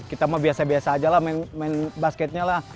kita mah biasa biasa aja lah main basketnya lah